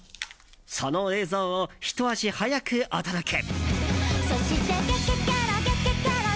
その映像をひと足早くお届け。